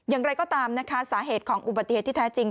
อย่างไรก็ตามนะคะสาเหตุของอุบัติเหตุที่แท้จริง